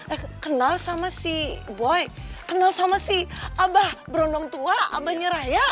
eh kenal sama si boy kenal sama si abah berondong tua abah nyeraya